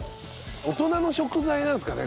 大人の食材なんですかね？